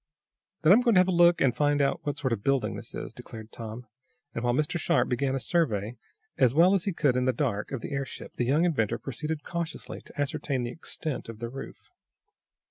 "Then I'm going to have a look and find out what sort of a building this is," declared Tom, and, while Mr. Sharp began a survey, as well as he could in the dark, of the airship, the young inventor proceeded cautiously to ascertain the extent of the roof.